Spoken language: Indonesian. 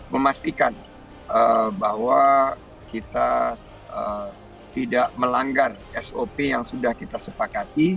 memastikan bahwa kita tidak melanggar sop yang sudah kita sepakati